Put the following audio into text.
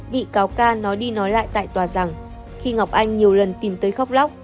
bị cáo ca nói đi nói lại tại tòa rằng khi ngọc anh nhiều lần tìm tới khóc lóc